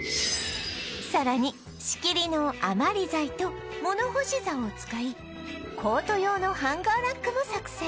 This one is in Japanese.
さらに仕切りの余り材と物干し竿を使いコート用のハンガーラックも作成